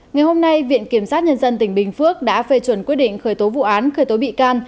ngày hôm nay viện kiểm sát nhân dân tỉnh bình phước đã phê chuẩn quyết định khởi tố vụ án khởi tố bị can